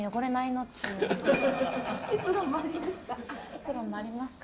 エプロンもありますか？